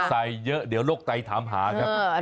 ใส่เยอะเดี๋ยวโรคไตถามหาครับ